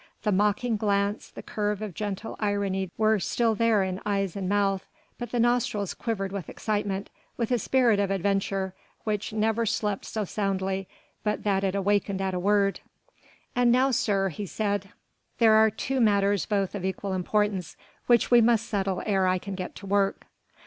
The mocking glance, the curve of gentle irony were still there in eyes and mouth, but the nostrils quivered with excitement, with the spirit of adventure which never slept so soundly but that it awakened at a word. "And now, sir," he said, "there are two matters both of equal importance, which we must settle ere I can get to work."